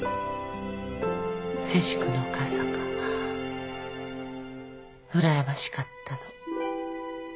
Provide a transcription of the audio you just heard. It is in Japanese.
誠治君のお母さんがうらやましかったの。